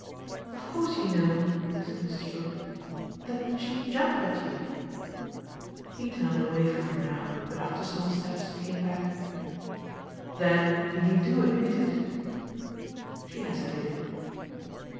"Of course you know," said Mrs. Brook, "that she'd jump at you." He turned away from her now, but after some steps came back. "Then you do admit it." She hesitated.